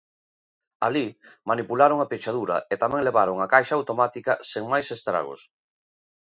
Alí, manipularon a pechadura e tamén levaron a caixa automática sen máis estragos.